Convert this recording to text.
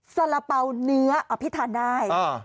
ซาละเป๋าเนื้อพี่ทานได้